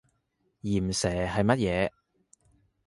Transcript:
鹽蛇係乜嘢？